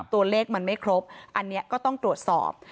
ตัวเลขมันไม่ครบอันนี้ก็ต้องตรวจสอบ